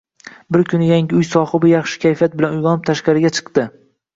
Bir kuni yangi uy sohibi yaxshi kayfiyat bilan uygʻonib, tashqariga chiqdi.